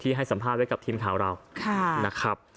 ที่ให้สัมภาษณ์ไว้กับทีมข่าวเรา